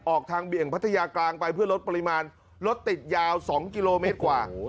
ออกทางเบี่ยงพัทยากลางไปเพื่อลดปริมาณรถติดยาว๒กิโลเมตรกว่า